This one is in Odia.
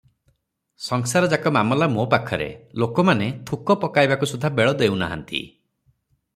ସଂସାର ଯାକ ମାମଲା ମୋ ପାଖରେ ଲୋକମାନେ ଥୁକ ପକାଇବାକୁ ସୁଦ୍ଧା ବେଳ ଦେଉନାହିଁନ୍ତି ।